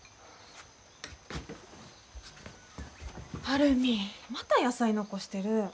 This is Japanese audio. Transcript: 晴海また野菜残してる！